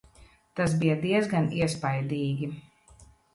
Tas bija diezgan iespaidīgi.